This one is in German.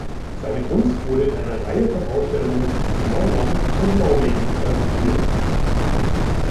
Seine Kunst wurde in einer Reihe von Ausstellungen in London und Norwegen präsentiert.